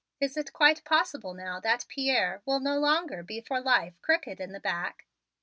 Is it quite possible now that Pierre will no longer be for life crooked in the back?"